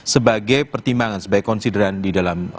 sebagai pertimbangan sebagai konsideran di dalam